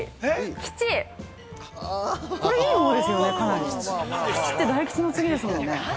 吉って大吉の次ですもんね。